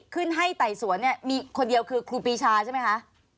ขึ้นให้ไต่สวนเนี่ยมีคนเดียวคือครูปีชาใช่ไหมคะ